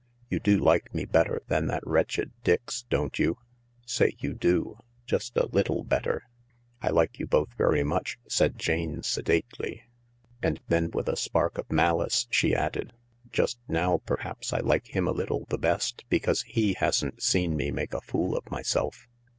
You do like me better than that wretched Dix, don't you ? Say you do — just a little better ?"" I like you both very much," said Jane sedately; and then with a spark of malice she added :" Just now perhaps I like him a little the best, because he hasn't seen me make a fool of myself."